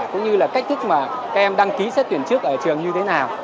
cũng như là cách thức mà các em đăng ký xét tuyển trước ở trường như thế nào